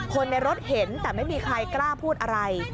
คนในรถเห็นแต่ไม่มีใครกล้าพูดอะไร